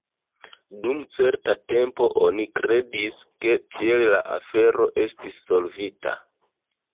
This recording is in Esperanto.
Dum certa tempo oni kredis, ke tiel la afero estis solvita.